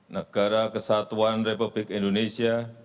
negara kesatuan republik indonesia